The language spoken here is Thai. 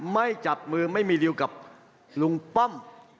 ไม่จับมือไม่มีริวกับลุงป้อม